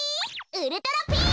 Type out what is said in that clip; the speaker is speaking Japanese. ウルトラピース！